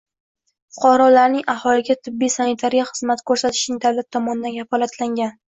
Fuqarolarniig aholiga tibbiy-sanitariya xizmati ko‘rsatishning davlat tomonidan kafolatlangan.